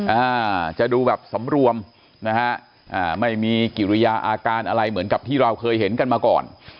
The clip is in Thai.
อ่าจะดูแบบสำรวมนะฮะอ่าไม่มีกิริยาอาการอะไรเหมือนกับที่เราเคยเห็นกันมาก่อน